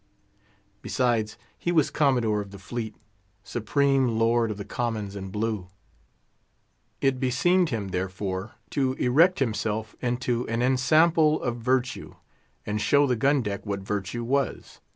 Besides, he was Commodore of the fleet, supreme lord of the Commons in Blue. It beseemed him, therefore, to erect himself into an ensample of virtue, and show the gun deck what virtue was.